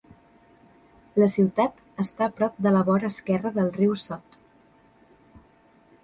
La ciutat està prop de la vora esquerra del riu Sot.